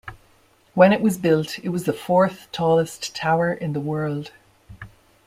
When it was built, it was the fourth-tallest tower in the world.